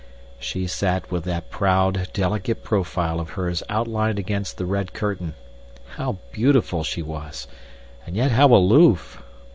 She sat with that proud, delicate profile of hers outlined against the red curtain. How beautiful she was! And yet how aloof!